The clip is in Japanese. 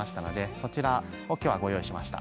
そちらを今日はご用意しました。